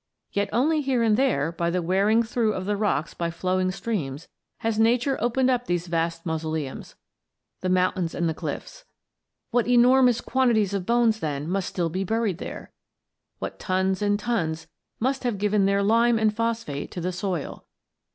Yet, only here and there by the wearing through of the rocks by flowing streams has nature opened up these vast mausoleums, the mountains and the cliffs. What enormous quantities of bones, then, must still be buried there, what tons and tons must have given their lime and phosphate to the soil.